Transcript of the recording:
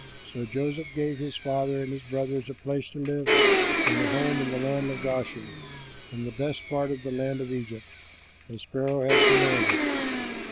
So Joseph gave his father and his brothers a place to live in and a home in the land of Goshen, in the best part of the land of Egypt, as Pharaoh had commanded.